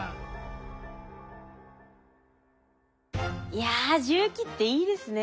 いや重機っていいですね。